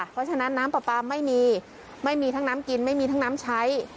เพราะฉะนั้นน้ำปลาปลาไม่มีไม่มีทั้งน้ำกินไม่มีทั้งน้ำใช้